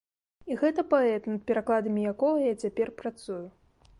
І гэта паэт, над перакладамі якога я цяпер працую.